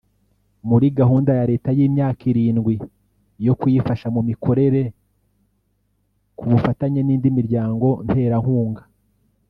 muri gahunda ya Leta y’imyaka irindwi yo kuyifasha mu mikorere ku bufatanye n’indi miryango nterankunga